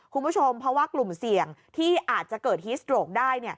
คุณผู้ชมเพราะว่ากลุ่มเสี่ยงที่อาจจะเกิดฮิสโตรกได้